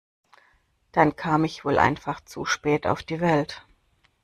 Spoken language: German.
Dann kam ich wohl einfach zu spät auf die Welt.